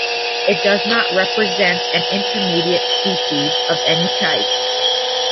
It does not represent an intermediate species of any type.